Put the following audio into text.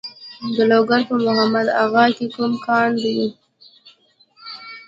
د لوګر په محمد اغه کې کوم کان دی؟